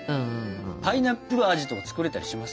パイナップル味とか作れたりします？